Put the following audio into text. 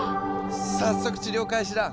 早速治療開始だ。